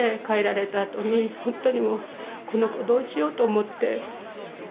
帰られたあとにほんとにもうこの子どうしようと思って。